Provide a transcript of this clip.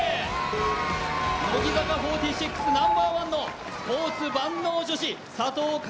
乃木坂４６ナンバーワンのスポーツ女子、佐藤楓。